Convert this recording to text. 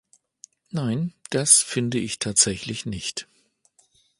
Nein, das finde ich tatsächlich nicht.